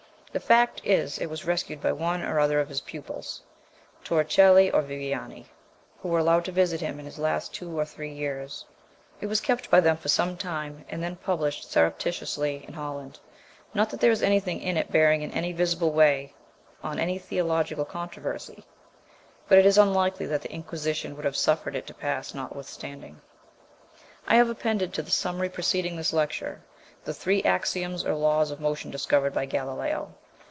The fact is it was rescued by one or other of his pupils, Toricelli or Viviani, who were allowed to visit him in his last two or three years; it was kept by them for some time, and then published surreptitiously in Holland. Not that there is anything in it bearing in any visible way on any theological controversy; but it is unlikely that the Inquisition would have suffered it to pass notwithstanding. I have appended to the summary preceding this lecture (p. 160) the three axioms or laws of motion discovered by Galileo.